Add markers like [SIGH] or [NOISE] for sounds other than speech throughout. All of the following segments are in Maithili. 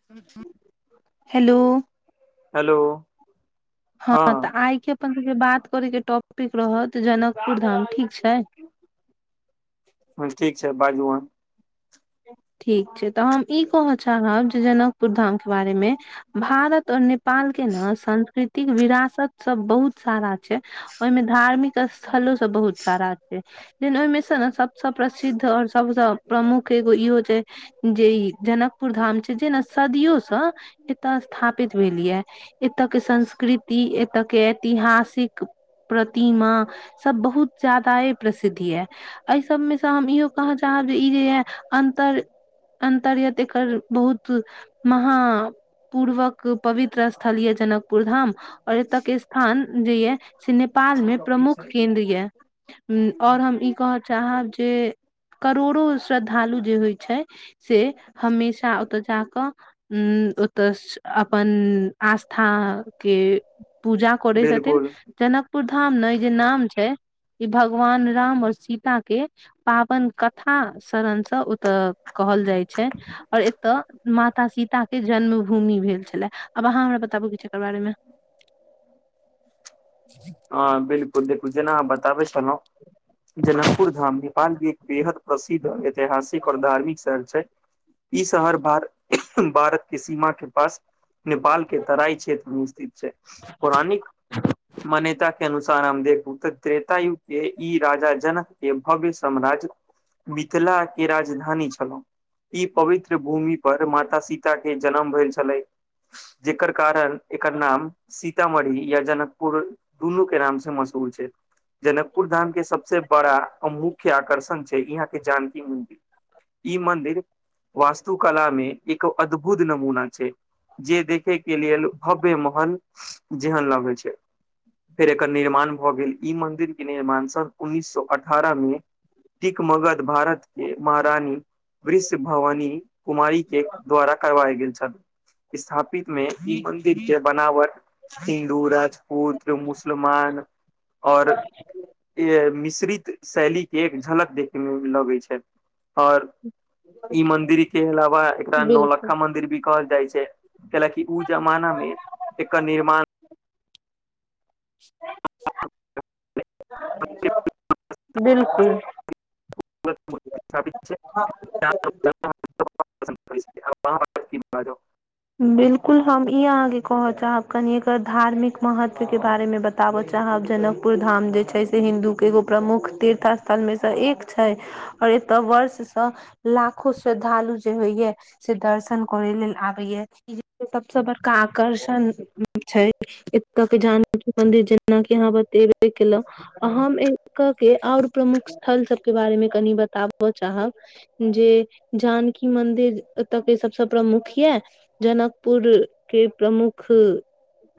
[INAUDIBLE] हेलो हेलो हँ तऽ आइ के अपन सबके बात करे के टॉपिक रहत जनकपुर धाम ठीक छै ठीक छै बाजू हऽ ठीक छै तऽ हम ई कह चाहब जे जनकपुर धामके बारेमे भारत और नेपाल के ने सांस्कृतिक विरासत सब बहुत सारा छै ओहिमे धार्मिक स्थलो बहुत सारा छै ओहिमे से ने सब प्रसिद्ध और सबस प्रमुख इहो छै जे ई जनकपुर धाम छै जे ने सदियोसँ एतय स्थापित भेल यै एतऽ के संस्कृति एतऽ के ऐतिहासिक प्रतिमा सब बहुत ज्यादा ही प्रसिद्ध यै एहि सभमे से हम इहो कहय चाहब जे ई जे यऽ अन्तर अन्तर यत एकर बहुत महा पूर्वक पवित्र स्थल यऽ जनकपुर धाम आर एत्त के स्थान जे या से ने नेपाल में प्रमुख केंन्द्र या और हम ई कह चाहब जे करोड़ो श्रद्धालु जे होइ छै से हमेशा ओतऽ जाकऽ ओतऽस अपन आस्था के पूजा करै छथिन बिलकुल जनक पुर धाम न ई जे नाम छै ई भगवान राम और सीता के पावन कथा शरणसँ ओतऽ कहल जाइ छै और एतय माता सीता के जन्म भूमि भेल छलै आब अहाँ हमरा बताबू किछु एकर बारे मे [INAUDIBLE] ह बिलकुल देखु जेना हम बताबै छलहुँं जनकपुर धाम नेपाल मे एक बेहद प्रसिद्ध ऐतिहासिक और धार्मिक शहर छै ई शहर भार भारत के सीमा के पास नेपाल के तराई क्षेत्र मे स्थित छै पौराणिक मान्यता के अनुसार हम देखू तऽ त्रेतायुग के ई राजा जनक के भव्य साम्राज्य मिथिलाके राजधानी छलहुँ ई पवित्र भूमि पर माता सीता के जनम भेल छलै जेकर कारण एकर नाम सीतामढ़ी या जनकपुर दुनू के नाम से मशहूर छै जनकपुर धाम के सबसे बड़ा आ मुख्य आकर्षण छै यहाँ के जानकी मंदिर ई मंदिर वास्तुकला में एक अद्भुत नमूना छै जे देखे के लेल भव्य महल जेहन लगै छै फेर एकर निर्माण भ गेल ई मंदिर के निर्माण सन उन्नीस सौ अठारह मे ठीक मगध भारत के महारानी वृष्य भवानी कुमारी के द्वारा करवाय गेल छल स्थापित मे ई मन्दिर के बनावट हिन्दू राजपूत मुसलमान और यै मिश्रित शैली के एक झलक देखे मे लगे छै और ई मंन्दिर के अलावा एकटा बिल्कुल नौलखा मंदिर भी कहल जाइ छै कयला कि उ जमाना में एकर निर्माण बिलकुल [UNINTELLIGIBLE] स्थापित छै [UNINTELLIGIBLE] बिल्कुल हम ई अहाँके कह चाहब कनि एकर धार्मिक महत्व के बारे मे बत ताबऽ चाहब जनकपुर धाम जे छै से हिन्दूके एगो प्रमुख तीर्थ स्थलमे सँ एक छै और एतय वर्ष सँ लाखो श्रद्धालु जे होइया से दर्शन करे लेल आबेया कियाकि ई सबसे बड़का आकर्षण छै एत्त के जानकी मन्दिर जेनाकि अहाँ बतेबे केलौं हम एत्तके और प्रमुख स्थल सबके बारेमे कनि बताबय चाहब जे जानकी मन्दिर एत्तके सबसे प्रमुख यऽ जनकपुर के प्रमुख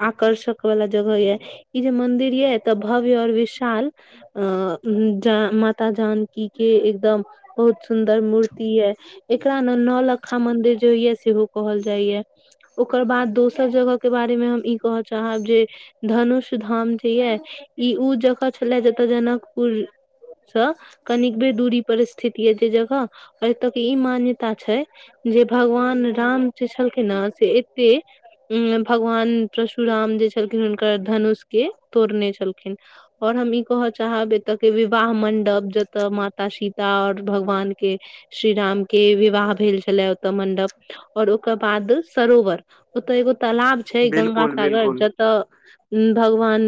आकर्षक वाला जगह ये ई जे मंदिर ये एतऽ भव्य और विशाल आ उंम्म माता जानकी के एकदम बहुत सुन्दर मूर्ति ये एकरा न नौ लक्खा मंदिर जे होइया सेहो कहल जाइये ओकर बाद दोसर जगह के बारे मे हम ई कह चाहब जे धनुष धाम जे ये ई उ जगह छेलए जतय जनकपुर सऽ कनिकबे दूरी पर स्थित ये जे जगह और एतय के ई मान्यता छै जे भगवान राम जे छलखिन नऽ से एत्तै उम्म भगवान परशुराम जे छलखिन हुनकर धनुष के तोड़ने छलखिन और हम ई कह चाहब एतऽ के विवाह मंडप जतऽ माता सीता और भगवान के श्रीराम के विवाह भेल छलै ओतऽ मंडप और ओकर बाद सरोवर ओतऽ एगो तालाब छै बिलकुल गंगासागर बिलकुल ज तऽ भगवान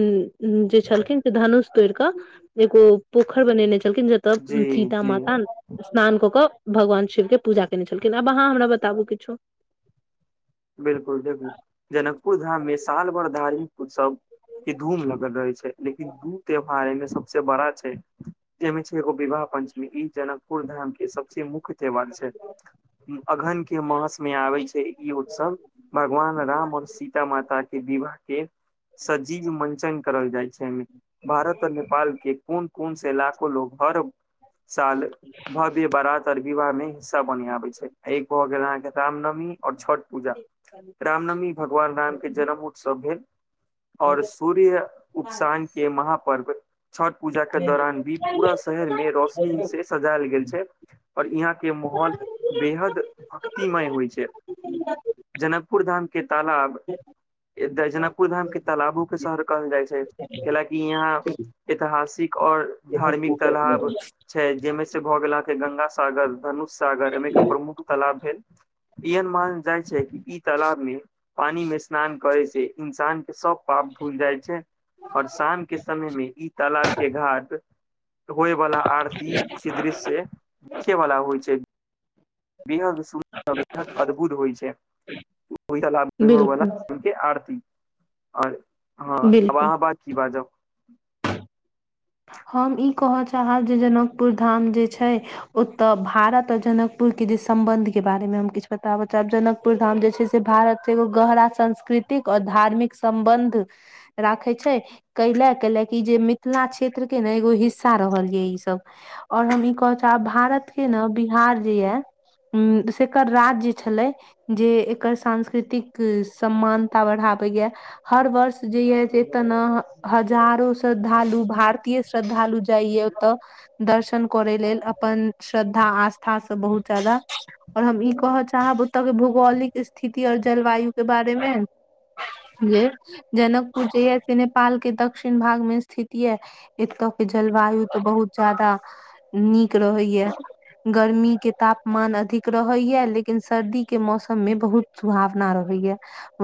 जे छलखिन से धनुष तोड़ि कऽ एगो पोखर बनेने छलखिन जतऽ जी सीता जी माता तहन स्नान कऽ कऽ भगवान शिवके पूजा केने छलखिन आब अहाँ हमरा बताबू किछो देखू देखू जनकपुर धाममे साल भर धार्मिक उत्सव कि धूम लगल रहे छै लेकिन दू त्योहार एहिमे सबसे बड़ा छै एहिमे छै एगो विवाह पंचमी ई जनकपुर धामके सब मुख्य त्यौहार छै अगहनके मासमे आबै छै ई उत्सव भगवान राम आओर सीता माताके विवाहके सजीव मंचन करल जाइ छैमे भारत आर नेपाल के कोन कोन से इला लोग हर साल भव्य बारात विवाहमे सब बढ़िया होइ छै आ एक भऽ गेल अहाँके राम नवमी और छठ पूजा रामनवमी भगवान राम के जन्म उत्सव भेल और सूर्य उपसान के महापर्व छठ पूजा के दौरान भी पूरा शहरमे रौश नी से सजायल गेल छै और इहाँ के माहौल बेहद भक्तिमय होइ छै जनकपुर धाम के तालाब जनकपुर धाम के तालाबो के शहर कहल जाइ छै कैलाकि इहाँ एतहासिक और धार्मिक तालाब छै जेमे से भऽ गेल अहाँके गंगासागर धनुषसागर एमेके प्रमुख तलाब भेल [UNINTELLIGIBLE] इन महान ज [UNINTELLIGIBLE] ई तालाब में पानी में स्नान करे से इंसान के सब पाप धूल जाइ छै आओर शाम के समयमे ई तालाब के घाट होएवाला आर- सी दृश्ये देखे वला होइ छै बेहद सुन्दर बेहद अद्भुत होइ छै बिल्कुल [UNINTELLIGIBLE] आरती आओर हँ आब बिल्कुल आहाँ की बाजब हम ई कहऽ चाहब जे जनकपुर धाम जे छै ओ तऽ भारत जनकपुर के जे सम्बंध के बारे मे हम किछु बताबऽ चाहब जनकपुर धाम जे से छै से भारत एगो गहरा सांस्कृतिक और धार्मिक सम्बन्ध राखे छै कैलाए कैलाए की जे मिथिला छै क्षेत्रके ने एगो हिस्सा रहल यै ई सब आओर हम ई कहऽ चाहब भारतके ने बिहार जे या हूँ से एकर राज्य छलै जे एकर सांस्कृतिक समानता बढ़ाबैया हर वर्ष जे य से एतऽ ने हजारो श्रद्धालु भार अतिए श्रद्धालु जाइया ओतऽ दर्शन करै लेल अपन श्रद्धा आस्थासँ बहुत ज्यादा आओर हम ई कहय चाहब ओतयके भौगोलिक स्थिति आओर जलवायुके बारेमे जे जनकपुर जे या से नेपाल के दक्षिण भागमे स्थिति याऽ एतय के जलवायु तऽ बहुत ज्यादा नीक रहैया गर्मी के तापमान अधिक रहैया लेकिन सर्दीके मौसममे बहुत सुभावना रहै या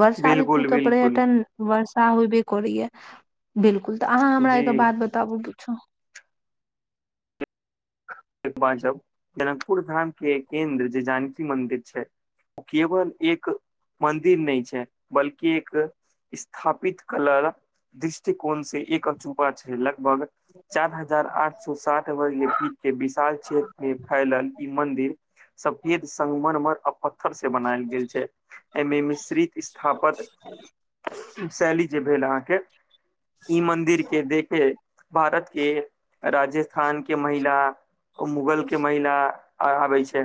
वर्षा ऋतु बिलकुल तऽ बिलकुल पर्यटन वर्षा होबे करैय बिल्कुल तऽ अहाँ हमरा जी एक बात बताबू पुछू बाजब जनकपुर धाम के एक केन्द्र जे जानकी मंदिर छै ओ केवल एक मन्दिर नहि छै बल्कि एक स्थापित कला दृष्टिकोण से एक अजु- पास छै लगभग चार हजार आठ सए साठ वर्गके पी के विशाल क्षेत्र मे फैलल ई मंदिर सफेद संगमरमर आ पत्थर से बनायल गेल छै एहिमे मे श्री स्थापद शैली जे भेल अहाँ के ई मन्दिर केँ देतै भारत के राजस्थान के महिला मुगल के महिला आर आबै छै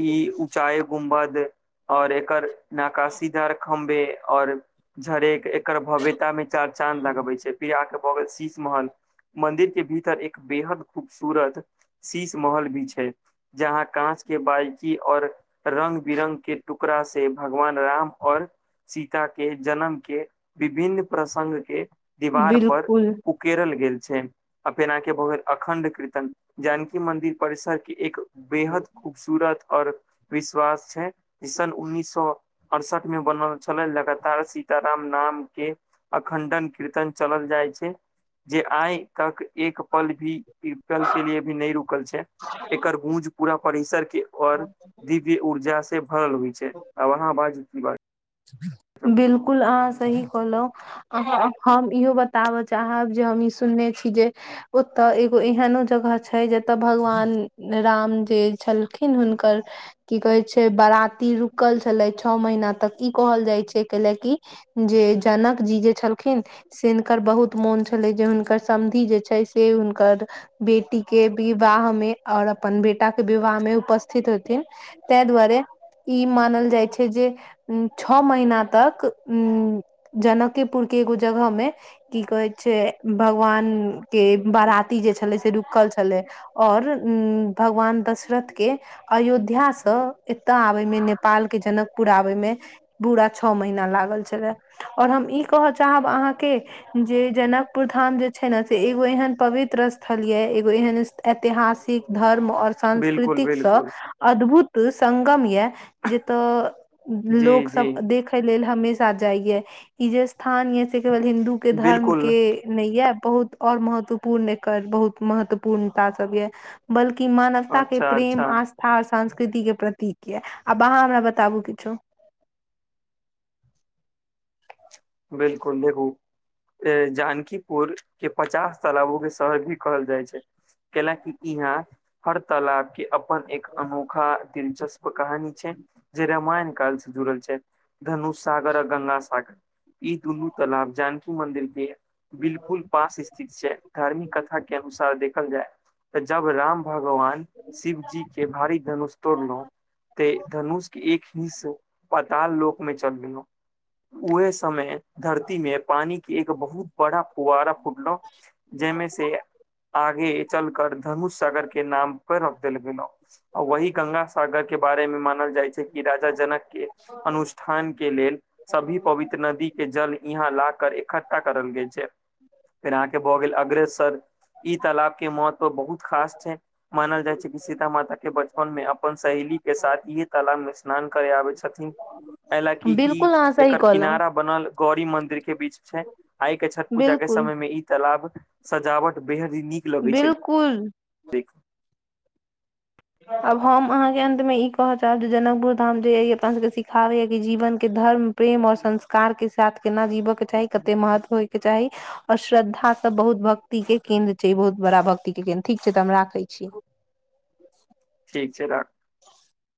ई ऊँचाइ गुम्बद आओर एकर नाकाशीदार खम्भे आओर झरेक एकर भव्यता मे चार चाँद लगबै छै पिया के भऽ गेल शीश महल मंदिर के भीतर एक बेहद खूबसूरत शीश महल भी छै जहाँ काँच केँ बारिकी आओर रंग बिरंग के टुकड़ा से भगवान राम आओर सीता केँ जन्म केँ विभिन्न प्रसंग केँ दीवार पर बिल्कुल उकेरल गेल छै आब जेना के भऽ गेल अखण्ड कीर्तन जानकी मन्दिर परिसर केँ एक बेहद खूबसूरत आओर विश्वास छै जे सन उन्नीस सौ अड़सठ मे बनल छलै लगातार सीताराम नाम केँ अखंडन कीर्तन चलल जाइ छै जे आइ तक एक पल भी विकल्प के लिए भी नहि रुकल छै एकर गूँज पूरा परिसर केँ आओर दीप ई ऊर्जा से भरल होइ छै आब अहाँ बाजू की बाज बिलकुल अहाँ सही कहलौं अहाँ आब हम इहो बताबय चाहब जे हम ई सुनने छी जे ओतय एगो एहनो जगह छै जतय भगवान राम जे छलखिन हुनकर की कहै छै बराती रूकल छलै छौ महीना तक ई कहल जाइ छै कैले की जे जनक जी जे छलखिन से हिनकर बहुत मोन छलै जे हुनकर समधि जे छै से हुनकर बेटी केँ विवाह मे आओर अपन बेटा केँ विवाह मे उपस्थित हेथिन तैँ दुआरे ई मानल जाइ छै जे उ छओ महीना तक जनकेपुर केँ एगो जगह मे कि कहै छै भगवान केँ बराती जे छलै से रुकल छलै आओर भगवान दशरथ केँ अयोध्या सँ एताय आबय मे नेपाल केँ जनकपुर आबय मे बूरा छओ महीना लागल छलए आओर हम ई कहय चाहब अहाँके जे जनकपुर धाम जे छै ने से एगो एहन पवित्र स्थल ये एगो एहन ऐतिहासिक धर्म आओर बिलकुल सांस्कृतिक सँ बिलकुल अद्भुत संगम यै जतऽ जी लोक सब जी देखय लेल हमेशा जाइ यै ई जे स्थान यै से केवल हिन्दू जे धर्म बिलकुल केँ नहि यै बहुत आओर महत्वपूर्ण एकर बहुत महत्वपूर्णता सब यै बल्कि मानवता केँ अच्छा प्रेम अच्छा आस था संस्कृतिक केँ प्रतीक यै आब अहाँ हमरा बताबु किछो बिलकुल देखू ए जानकीपुर केँ पचास तालाबो केँ शहर भी कहल जाय छै कियै कि इहाँ हर तालाब केँ अप न एक अनोखा दिलचस्प कहानी छै जे रामायण काल से जुड़ल छै धनुष सागर आ गङ्गा सागर ई दुनू तालब जानकी मन्दिर केँ बिलकुल पास स्थित छै धार्मिक कथा केँ अनुसार देखल जाय जब राम भगवान शिवजी केँ भारी धनुष तोड़लो ते धनुष केँ एक हिस पताल लोक मे चल गेलह उहेसे मे धरती मे पानी के एक बहुत बड़ा फुवारा फुटलो जहि मे से आगे चल कर धनुष सागर के नाम पर रख देल गेलो वही गंगा साागर के बारे मे मानल जाइत छै कि राजा जनक केँ अनुष्ठान केँ लेल सभी पवि नदी केँ जल यहाँ लाकर इखठ्ठा करल गेल छै फेर अहाँके भऽ गेल अग्रसर ई तालाब के महत्व बहुत खास छै मानल जाय छै कि सीता माता के बच पन मे अपन सहेली के साथ इहे तालाब मे स्नान करे आबे छथिन एलाकि ई बिलकुल अहाँ सही एकर कहलौ किनारा बनल गौरी मंन्दिर के बीच छै आइ के छठ पूजा के बिल्कुल समय मे ई तलाब सजावट बेहद नीक बिल्कुल ठीक आब हम अहाँके अन्तमे ई कहय चाहब जे जनकपुर धाम जे यइ अपना सभके सिखाबैए कि जीवनके धर्म प्रेम और संस्कार के साथ केना जीवय के चाही कते महत्व होय के चाही ओर श्रद्धा सब बहुत भक्ति के केन्द्र छै बहुत बड़ा भक्ति के केन्द्र ठीक छै तऽ हम राखै छी ठीक छै राख [UNINTELLIGIBLE]